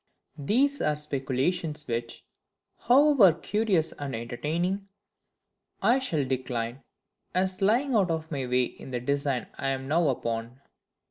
These are speculations which, however curious and entertaining, I shall decline, as lying out of my way in the design I am now upon.